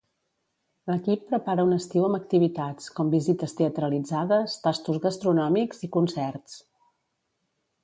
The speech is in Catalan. L'equip prepara un estiu amb activitats, com visites teatralitzades, tastos gastronòmics i concerts.